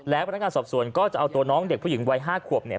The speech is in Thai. พนักงานสอบสวนก็จะเอาตัวน้องเด็กผู้หญิงวัย๕ขวบเนี่ย